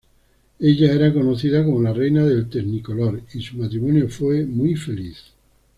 Ella era conocida como la "Reina del Technicolor", y su matrimonio fue muy feliz.